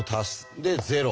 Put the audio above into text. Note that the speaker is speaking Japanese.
で０。